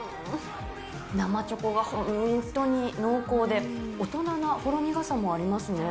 生チョコが本当に濃厚で、大人なほろ苦さもありますね。